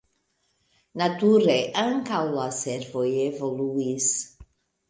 Nature ankaŭ la servoj evoluis.